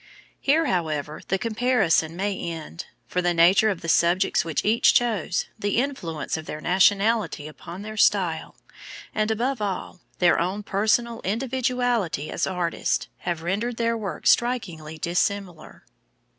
Here, however, the comparison may end; for the nature of the subjects which each chose, the influence of their nationality upon their style, and, above all, their own personal individuality as artists, have rendered their work strikingly dissimilar.